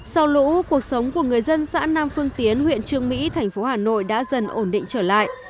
sau lũ cuộc sống của người dân xã nam phương tiến huyện trương mỹ thành phố hà nội đã dần ổn định trở lại